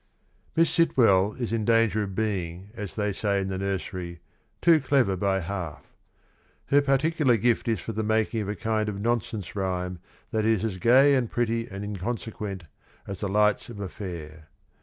Miss Sitwell is in danger of being, as they say in the nursery, ' too clever by half.' ... Her particular gift is for the making of a kind of nonsense rhyme that is as gay and pretty and inconsequent as the lights of a fair.